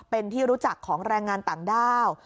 เป็นที่รู้จักของแรงงานต่างด้าว